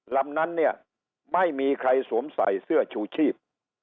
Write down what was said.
ลำนั้นเนี่ยไม่มีใครสวมใส่เสื้อชูชีพ